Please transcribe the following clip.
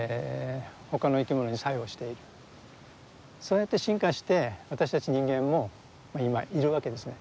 そうやって進化して私たち人間も今いるわけですね。